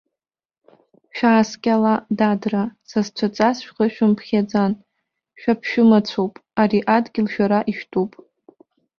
Шәааскьала, дадраа, сасцәаҵас шәхы шәымԥхьаӡан, шәаԥшәымацәоуп, ари адгьыл шәара ишәтәуп!